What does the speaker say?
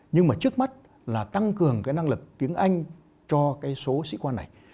nhưng mà trước mắt là tăng cường cái năng lực tiếng anh cho cái số sĩ quan này